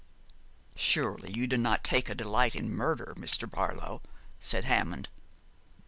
'Surely you do not take delight in murder, Mr. Barlow?' said Hammond.